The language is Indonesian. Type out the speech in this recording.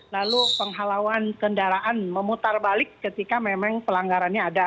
lalu penghalauan kendaraan memutar balik ketika memang pelanggarannya ada